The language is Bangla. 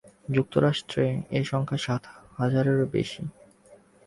যুক্তরাষ্ট্রে এ সংখ্যা সাত হাজারের বেশি।